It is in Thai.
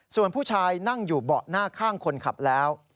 ส่วนผู้ชายนั่งอยู่เบาะหน้าข้างคนขับแล้ว